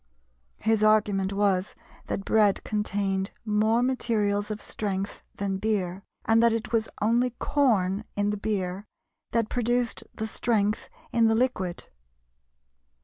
His argument was that bread contained more materials of strength than beer, and that it was only corn in the beer that produced the strength in the liquid.